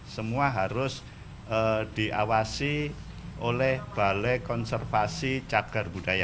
semua harus diawasi oleh balai konservasi cagar budaya